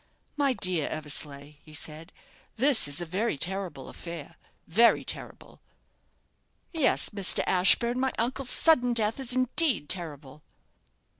"My dear Eversleigh," he said, "this is a very terrible affair very terrible!" "Yes, Mr. Ashburne, my uncle's sudden death is indeed terrible."